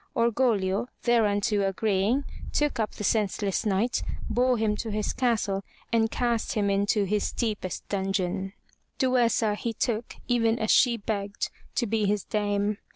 Orgoglio, thereunto agreeing, took up the senseless Knight, bore him to his castle and cast him into 34 FROM THE TOWER WINDOW his deepest dungeon. Duessa, he took, even as she begged, to be his dame.